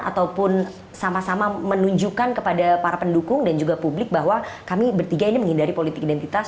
ataupun sama sama menunjukkan kepada para pendukung dan juga publik bahwa kami bertiga ini menghindari politik identitas